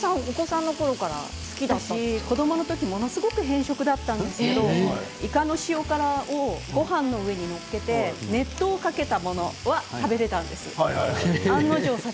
私は子どものころものすごく偏食だったんですがいかの塩辛をごはんの上に載っけて熱湯をかけたものは食べられたんです。